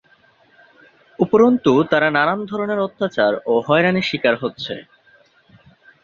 উপরন্তু তারা নানান ধরণের অত্যাচার ও হয়রানির শিকার হচ্ছে।